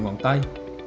nhờ ngón tay